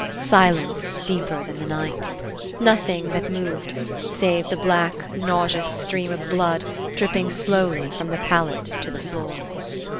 Silence deeper than the Night! Nothing that moved, save the black, nauseous stream of blood dripping slowly from the pallet to the floor!